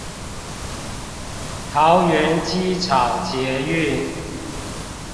桃園機場捷運